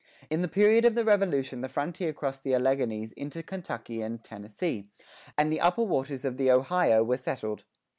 In the period of the Revolution the frontier crossed the Alleghanies into Kentucky and Tennessee, and the upper waters of the Ohio were settled.